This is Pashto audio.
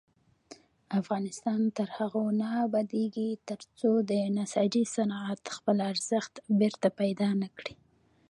افغانستان تر هغو نه ابادیږي، ترڅو د نساجي صنعت خپل ارزښت بیرته پیدا نکړي.